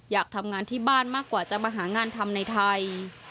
อยากทำงานที่บ้านมากกว่าจะมาหางานทำในไทย